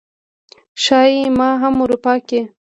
ښايي ما هم اروپا کې